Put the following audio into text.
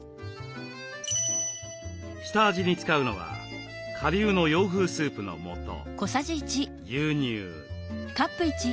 下味に使うのは顆粒の洋風スープの素牛乳。